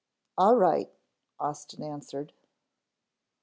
"All right," Austin answered.